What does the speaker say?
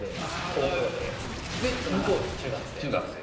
高校生で妻が中学生。